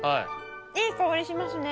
いい香りしますね。